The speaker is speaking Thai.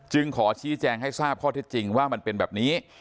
ขอชี้แจงให้ทราบข้อเท็จจริงว่ามันเป็นแบบนี้